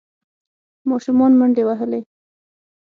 ماشومان منډې وهلې.